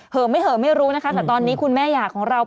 เหิ่มไม่เหิ่มไม่รู้นะคะแต่ตอนนี้คุณแม่หยาดของเรา